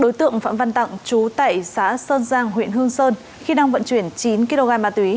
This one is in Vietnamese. đối tượng phạm văn tặng chú tại xã sơn giang huyện hương sơn khi đang vận chuyển chín kg ma túy